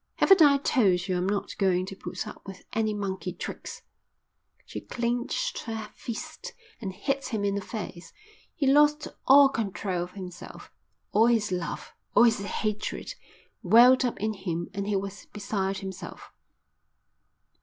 Haven't I told you I'm not going to put up with any monkey tricks?" She clenched her fist and hit him in the face. He lost all control of himself. All his love, all his hatred, welled up in him and he was beside himself.